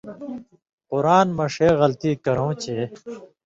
قِراتی مہ ݜے غلطی کرؤں چے